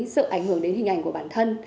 sợ ảnh hưởng đến hình ảnh của bản thân